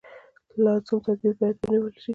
لازم تدابیر باید ونېول شي.